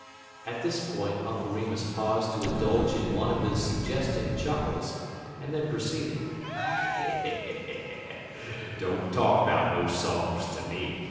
" At this point Uncle Remus paused to indulge in one of his suggestive chuckles, and then proceeded: "Don't talk 'bout no songs ter me.